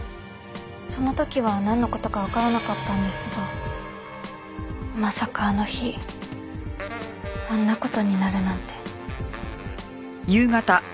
その時はなんの事かわからなかったんですがまさかあの日あんな事になるなんて。